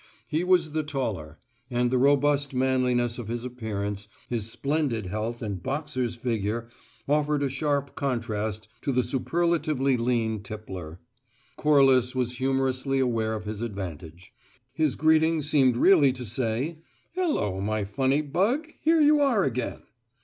He was the taller; and the robust manliness of his appearance, his splendid health and boxer's figure offered a sharp contrast to the superlatively lean tippler. Corliss was humorously aware of his advantage: his greeting seemed really to say, "Hello, my funny bug, here you are again!"